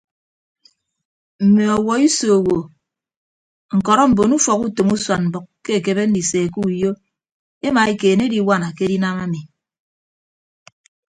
Mme ọwuọ iso owo ñkọrọ mbon ufọkutom usuan mbʌk ke ekebe ndise ke uyo emaekeene ediwana ke edinam ami.